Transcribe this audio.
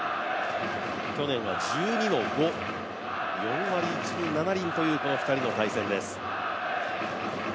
去年は１２の５４割１分７厘というこの２人の対決です。